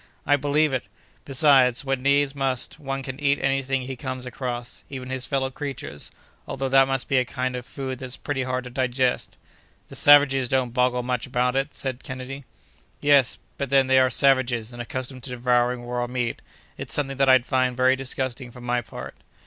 "I believe it. Besides, when needs must, one can eat any thing he comes across, even his fellow creatures, although that must be a kind of food that's pretty hard to digest." "The savages don't boggle much about it!" said Kennedy. "Yes; but then they are savages, and accustomed to devouring raw meat; it's something that I'd find very disgusting, for my part."